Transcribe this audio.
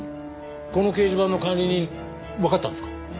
この掲示板の管理人わかったんですか？